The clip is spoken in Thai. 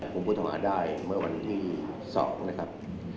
ผมพูดงอได้เมื่อวันที่๒นะครับ